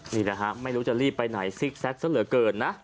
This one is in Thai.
นี่แหละฮะไม่รู้จะรีบไปไหนซิกแซคซะเหลือเกินนะ